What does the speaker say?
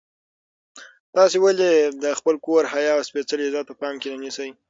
تاسو ولې د خپل کور حیا او سپېڅلی عزت په پام کې نه نیسئ؟